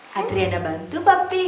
hadri ada bantu papi